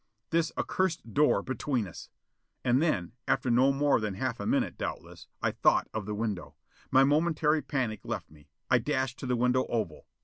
This accursed door between us! And then after no more than half a minute, doubtless I thought of the window. My momentary panic left me. I dashed to the window oval.